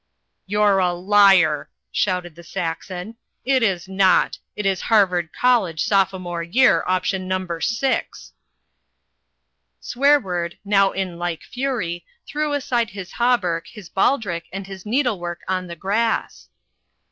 "You're a liar!" shouted the Saxon, "it is not. It is Harvard College, Sophomore Year, Option No. 6." Swearword, now in like fury, threw aside his hauberk, his baldrick, and his needlework on the grass.